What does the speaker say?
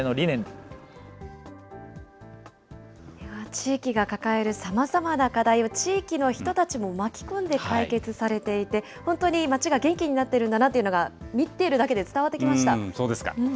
地域が抱えるさまざまな課題を地域の人たちも巻き込んで解決されていて、本当に街が元気になってるんだなっていうのが、見ているだけで伝そうですか。